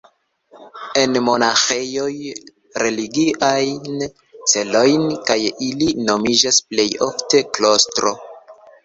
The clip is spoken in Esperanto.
En monaĥejoj, religiajn celojn, kaj ili nomiĝas plej ofte klostro.